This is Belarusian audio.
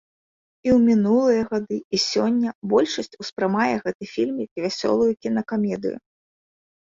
І ў мінулыя гады, і сёння большасць успрымае гэты фільм як вясёлую кінакамедыю.